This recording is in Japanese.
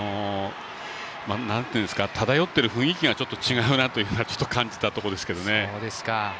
なんていうんですか漂っている雰囲気がちょっと違うなと感じたところですけどね。